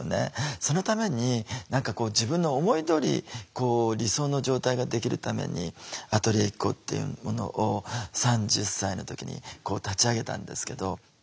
そのために何かこう自分の思いどおり理想の状態ができるためにアトリエＩＫＫＯっていうものを３０歳の時に立ち上げたんですけど。